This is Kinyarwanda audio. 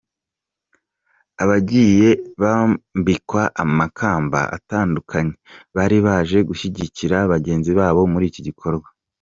Abagiye bambikwa amakamba atandukanye bari baje gushyigikira bagenzi babo muri iki gikorwa.